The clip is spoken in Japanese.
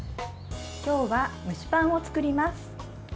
今日は、蒸しパンを作ります。